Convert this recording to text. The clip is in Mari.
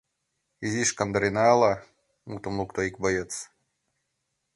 — Изиш кандарена ала? — мутым лукто ик боец.